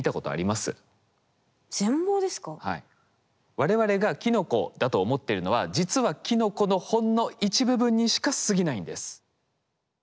我々がキノコだと思ってるのは実はキノコのほんの一部分にしかすぎないんです。